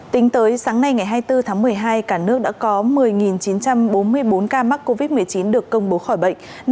tính tới sáng nay ngày hai mươi bốn tháng một mươi hai cả nước đã có một mươi chín trăm bốn mươi bốn ca mắc covid một mươi chín được công bố khỏi bệnh